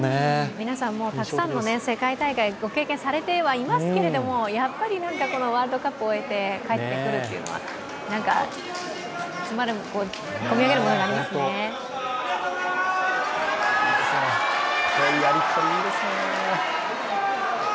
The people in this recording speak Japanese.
皆さん、たくさんの世界大会経験されてはいますけどもやっぱりこのワールドカップを終えて帰ってくるというのは何かこみ上げるものがありますね。